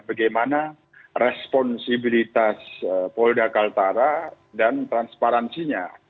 bagaimana responsibilitas polda kaltara dan transparansinya